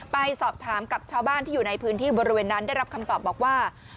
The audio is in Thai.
ไปสอบถามกับชาวบ้านที่อยู่ในพื้นที่บริเวณนั้นได้รับคำตอบบอกว่า